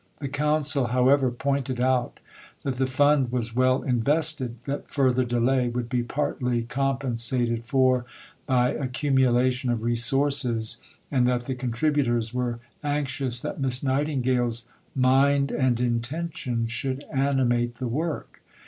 The Council, however, pointed out that the Fund was well invested; that further delay would be partly compensated for by accumulation of resources, and that the contributors were anxious that Miss Nightingale's "mind and intention should animate the work."